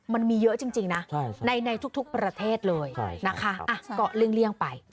มันมีเยอะจริงนะในทุกประเทศเลยนะคะก็เลี่ยงไป